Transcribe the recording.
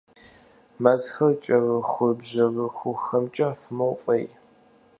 Мэзхэр кӀэрыхубжьэрыхухэмкӀэ фымыуфӀей.